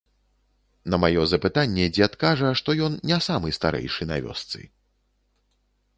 На маё запытанне дзед кажа, што ён не самы старэйшы на вёсцы.